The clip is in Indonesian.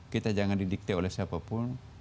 kita jangan didikte oleh siapapun